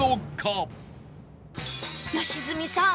良純さん！